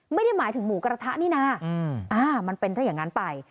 ไม่ได้หมายถึงหมูกระทะนี่นะมันเป็นถ้าอย่างนั้นไป